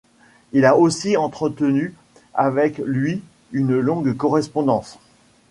Il a aussi entretenu avec lui une longue correspondance.